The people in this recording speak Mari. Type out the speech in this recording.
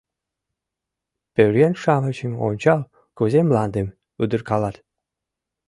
— Пӧръеҥ-шамычым ончал, кузе мландым удыркалат.